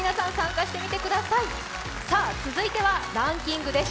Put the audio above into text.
続いてはランキングです。